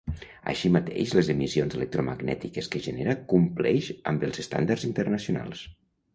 Així mateix les emissions electromagnètiques que genera compleix amb els estàndards internacionals.